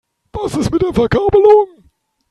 Was ist mit der Verkabelung?